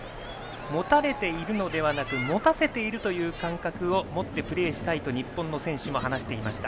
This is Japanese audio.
持たれているのではなく持たせているという感覚を持ってプレーしたいと日本の選手も話をしていました。